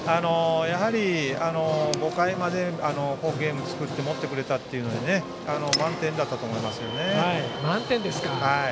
やはり５回まで好ゲームを作ってもってくれたというので満点だったと思います。